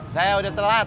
saya udah telat